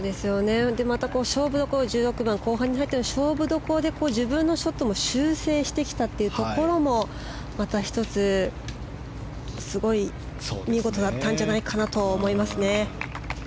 また、勝負どころ１６番、後半に入って自分のショットも修正してきたというところもまた１つ見事だったんじゃないかと思います。